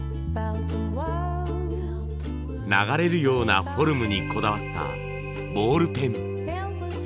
流れるようなフォルムにこだわったボールペン。